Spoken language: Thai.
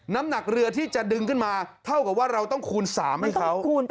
น้ำหนักเรือที่จะดึงขึ้นมาเท่ากับว่าเราต้องคูณ๓ให้เขา